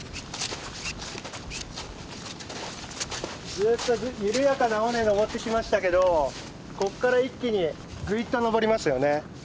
ずっと緩やかな尾根登ってきましたけどここから一気にぐいっと登りますよね。